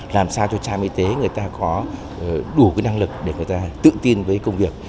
làm sao cho trạm y tế người ta có đủ cái năng lực để người ta tự tin với công việc